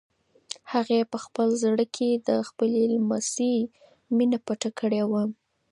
هغې په خپل زړه کې د خپل لمسي مینه پټه کړې وه.